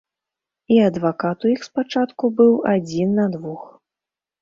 І адвакат у іх спачатку быў адзін на двух.